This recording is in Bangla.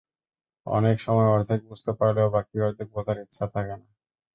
অনেক সময় অর্ধেক বুঝতে পারলেও বাকি অর্ধেক বোঝার ইচ্ছা থাকে না।